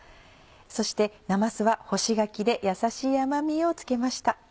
そしてなますは干し柿でやさしい甘みを付けました。